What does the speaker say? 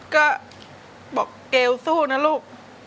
ก็บอกเกลสู้นะลูก